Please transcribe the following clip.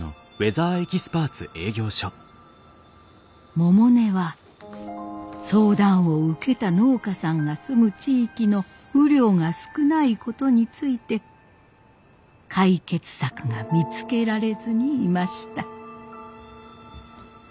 百音は相談を受けた農家さんが住む地域の雨量が少ないことについて解決策が見つけられずにいました。